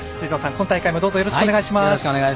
今大会もよろしくお願いします。